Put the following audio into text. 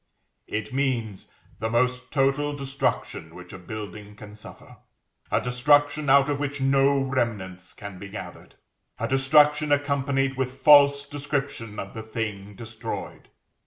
It means the most total destruction which a building can suffer: a destruction out of which no remnants can be gathered; a destruction accompanied with false description of the thing destroyed.